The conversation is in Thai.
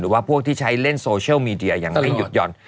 ว่าพวกที่ใช้เล่นโซเชียลมีเดียยังไม่หยุดหย่อน